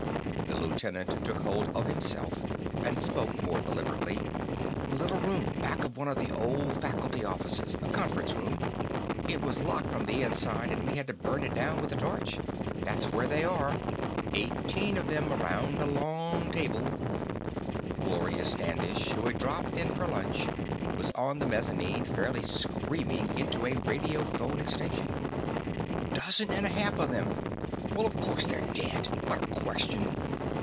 The lieutenant took hold of himself and spoke more deliberately. "Little room, back of one of the old faculty offices conference room. It was locked from the inside, and we had to burn it down with a torch. That's where they are. Eighteen of them, around a long table " Gloria Standish, who had dropped in for lunch, was on the mezzanine, fairly screaming into a radiophone extension: "... Dozen and a half of them! Well, of course they're dead. What a question!